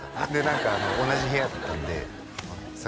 何か同じ部屋だったんで「先